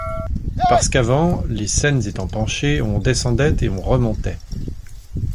Parce qu'avant, les scènes étant penchées, on descendait et on remontait.